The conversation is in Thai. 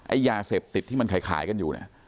ไอ้ยาเสพติดที่ไข่กันอยู่